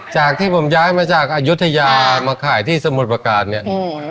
จากที่ผมย้ายมาจากอายุทยามาขายที่สมุทรประการเนี่ย